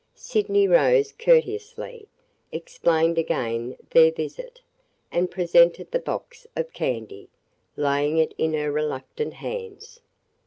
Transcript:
Sydney rose courteously, explained again their visit, and presented the box of candy, laying it in her reluctant hands.